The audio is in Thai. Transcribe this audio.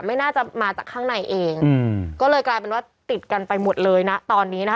ไม่น่าจะมาจากข้างในเองอืมก็เลยกลายเป็นว่าติดกันไปหมดเลยนะตอนนี้นะคะ